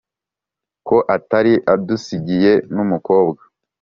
ko atari adusigiye n'umukobwa,